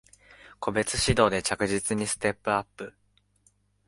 個別指導で着実にステップアップ